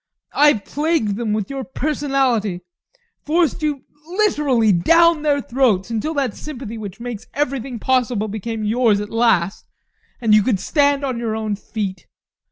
I plagued them with your personality, forced you literally down their throats, until that sympathy which makes everything possible became yours at last and you could stand on your own feet.